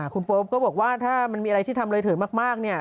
คุณโป๊ปก็บอกว่าถ้ามันมีอะไรที่ทำเลยเถิดมากเนี่ย